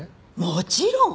もちろん！